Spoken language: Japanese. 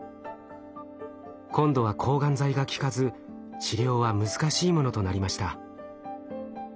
今度は抗がん剤が効かず治療は難しいものとなりました。